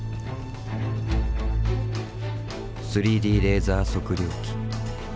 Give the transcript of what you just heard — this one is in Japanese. ３Ｄレーザー測量機。